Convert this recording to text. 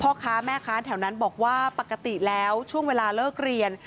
พ่อค้าแม่ค้าแถวนั้นบอกว่าปกติแล้วช่วงเวลาเลิกเรียน